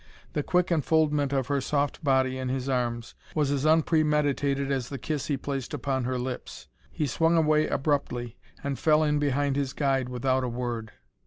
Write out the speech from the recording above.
The quick enfoldment of her soft body in his arms was as unpremeditated as the kiss he placed upon her lips.... He swung away abruptly, and fell in behind his guide without a word.